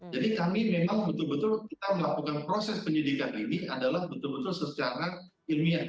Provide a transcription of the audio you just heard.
jadi kami memang betul betul kita melakukan proses penyidikan ini adalah betul betul secara ilmiah